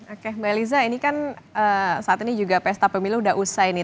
oke mbak eliza ini kan saat ini juga pesta pemilu sudah usai nih